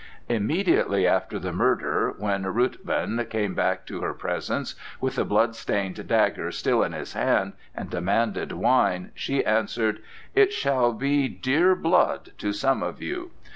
Immediately after the murder, when Ruthven came back to her presence, with the blood stained dagger still in his hand, and demanded wine, she answered: "It shall be dear blood to some of you!"